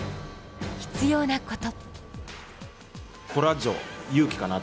必要なこと。